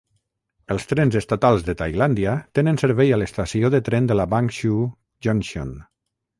Els trens estatals de Tailàndia tenen servei a l'estació de tren de Bang Sue Junction.